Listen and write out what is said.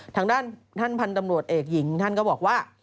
ทางด้านท่านพันธ์ตำรวจเอกหญิงท่านก็บอกว่า